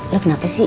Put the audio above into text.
lo kenapa sih